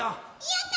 やった！